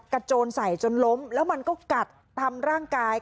โจรใส่จนล้มแล้วมันก็กัดตามร่างกาย